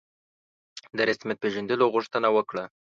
د رسمیت پېژندلو غوښتنه وکړه.